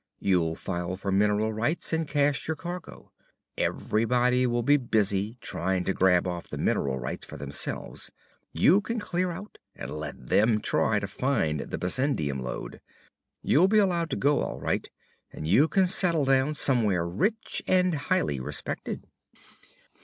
You'll file for mineral rights, and cash your cargo. Everybody will get busy trying to grab off the mineral rights for themselves. You can clear out and let them try to find the bessendium lode. You'll be allowed to go, all right, and you can settle down somewhere rich and highly respected."